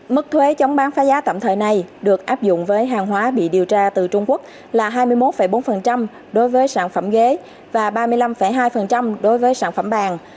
mức thuế chống bán phá giá tạm thời này được áp dụng với hàng hóa bị điều tra từ trung quốc là hai mươi một bốn đối với sản phẩm ghế và ba mươi năm hai đối với sản phẩm vàng